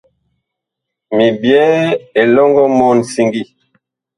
Mi byɛɛ elɔŋgɔ mɔɔn siŋgi.